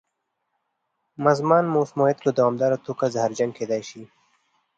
مزمن مسمومیت په دوامداره توګه زهرجن کېدل دي.